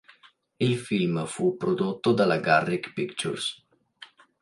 Il film fu prodotto dalla Garrick Pictures.